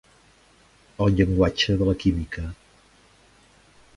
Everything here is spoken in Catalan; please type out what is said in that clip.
El llenguatge de la química.